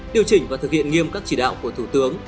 điều chỉnh và thực hiện nghiêm các chỉ đạo của thủ tướng